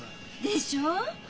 でしょう？